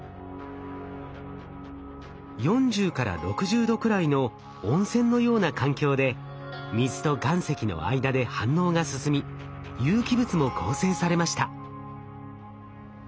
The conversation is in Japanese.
４０６０度くらいの温泉のような環境で水と岩石の間で反応が進み有機物も合成されました。